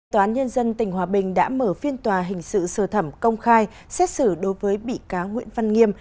tòa án nhân dân tỉnh hòa bình đã mở phiên tòa hình sự sửa thẩm công khai xét xử đối với bị cáo nguyễn văn nghiêm